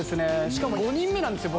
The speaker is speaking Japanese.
しかも５人目なんですよ